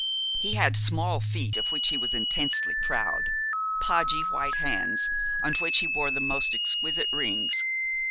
He had small feet, of which he was intensely proud, podgy white hands on which he wore the most exquisite rings.